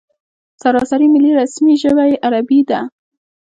سراسري ملي رسمي ژبه یې عربي ده.